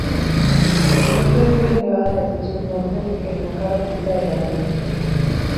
Se encuentra en una elevada latitud norte, en la cara oculta de la Luna.